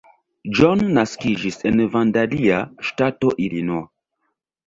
John naskiĝis en Vandalia, ŝtato Illinois.